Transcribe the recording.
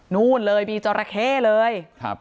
นู่นเลยมีจราเข้เลย